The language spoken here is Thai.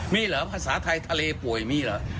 มีเหรอภาษาไทยทะเลป่วยมีเหรอ